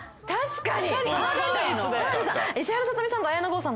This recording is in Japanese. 確かに。